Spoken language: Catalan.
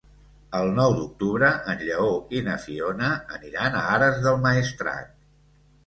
El nou d'octubre en Lleó i na Fiona aniran a Ares del Maestrat.